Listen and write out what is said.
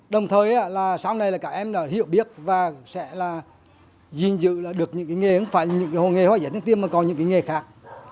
đồng thời sau này các em hiểu biết và sẽ diên dự được những nghề không phải những nghề hoa giấy thanh tiên mà còn những nghề khác